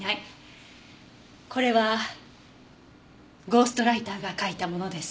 これはゴーストライターが書いたものです。